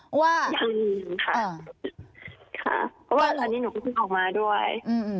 เพราะว่าอันนี้หนูพึ่งออกมาด้วย